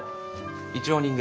一応人間。